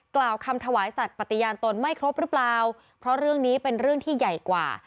กล่าวคำถวายสัตว์ปฏิญาณตนไม่ครบหรือเปล่าเพราะเรื่องนี้เป็นเรื่องที่ใหญ่กว่า